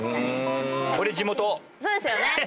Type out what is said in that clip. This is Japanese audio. そうですよね。